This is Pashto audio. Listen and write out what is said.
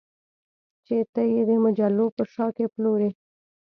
چې ته یې د مجلو په شا کې پلورې